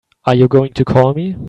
Are you going to call me?